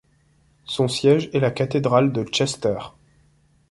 Son siège est la cathédrale de Chester.